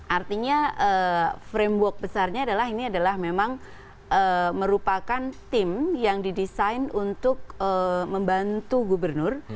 artinya framework besarnya adalah ini adalah memang merupakan tim yang didesain untuk membantu gubernur